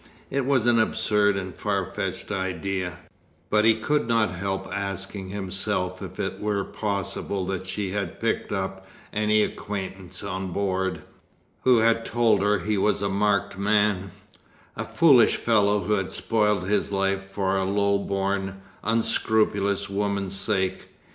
It was an absurd and far fetched idea, but he could not help asking himself if it were possible that she had picked up any acquaintance on board, who had told her he was a marked man, a foolish fellow who had spoiled his life for a low born, unscrupulous woman's sake.